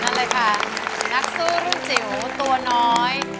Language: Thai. นั่นเลยค่ะนักสู้รุ่นจิ๋วตัวน้อย